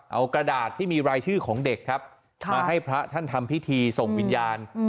เอากระดาษที่มีรายชื่อของเด็กครับมาให้พระท่านทำพิธีส่งวิญญาณ